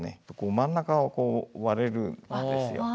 真ん中がこう割れるんですよ。